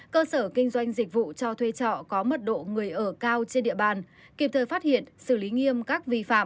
cơ sở kinh doanh dịch vụ cho thuê trọ có mật độ người ở cao trên địa bàn kịp thời phát hiện xử lý nghiêm các vi phạm